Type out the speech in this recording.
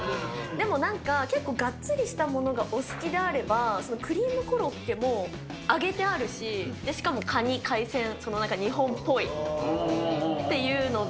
でもなんか、結構がっつりしたものがお好きであれば、クリームコロッケも揚げてあるし、しかも、かに、海鮮、なんか日本っぽいっていうので。